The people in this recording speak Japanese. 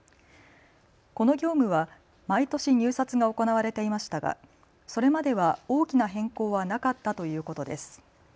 この業務は毎年、入札が行われていましたがそれまでは大きな変更はなかったということです。